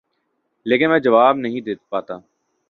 لیکن میں جواب نہیں دے پاتا ۔